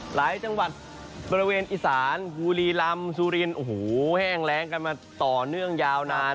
หลายจังหวัดบริเวณอีสานบุรีลำสุรินโอ้โหแห้งแรงกันมาต่อเนื่องยาวนาน